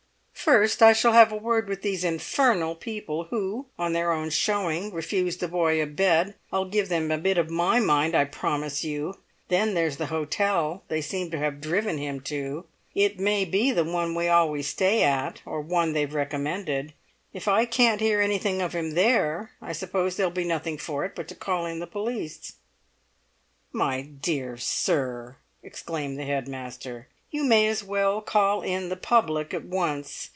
"First I shall have a word with these infernal people who, on their own showing, refused the boy a bed. I'll give them a bit of my mind, I promise you! Then there's the hotel they seem to have driven him to; it may be the one we always stay at, or one they've recommended. If I can't hear anything of him there, I suppose there'll be nothing for it but to call in the police." "My dear sir," exclaimed the head master, "you may as well call in the public at once!